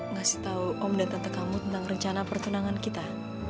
ngasih tahu om dan tante kamu tentang rencana pertunangan kita